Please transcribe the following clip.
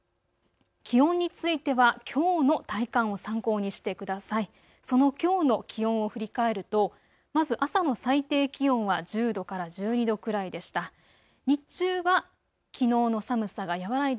気温についてはきょうの体感を参考にしてください。